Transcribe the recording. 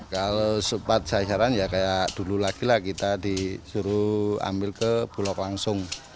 kalau sempat sasaran ya kayak dulu lagi lah kita disuruh ambil ke bulog langsung